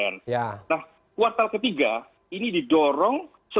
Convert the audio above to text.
nah kuartal ketiga ini didorong